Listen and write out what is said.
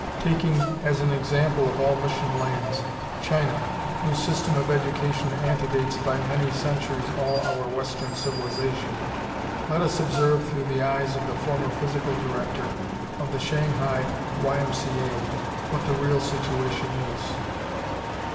Taking as an example of all mission lands, China, whose system of education antedates by many centuries all our western civilization, let us observe through the eyes of the former physical director of the Shanghai Y. M. C. A. what the real situation is.